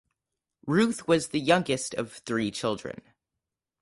Ruth was the youngest of three children.